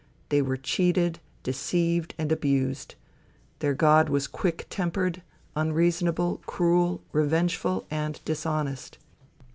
They were cheated, deceived and abused. Their god was quick tempered unreasonable, cruel, revengeful and dishonest.